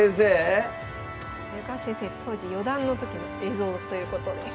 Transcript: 当時四段の時の映像ということです。